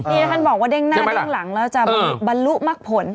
นี่ถ้าท่านบอกว่าเด้งหน้าเด้งหลังแล้วจะบรรลุมักผล